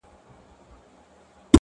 هغه له منځه ولاړ سي؛